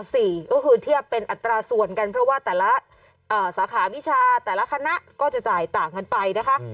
ก็คือเทียบเป็นอัตราส่วนกันเพราะว่าแต่ละสาขาวิชาแต่ละคณะก็จะจ่ายต่างกันไปนะคะ